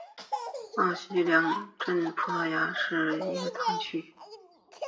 奥西良博阿镇是葡萄牙布拉干萨区的一个堂区。